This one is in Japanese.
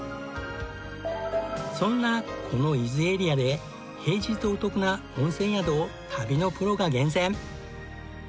そんなこの伊豆エリアで平日お得な温泉宿を旅のプロが厳選。